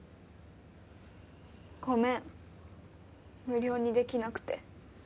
ごめん無料にできなくて。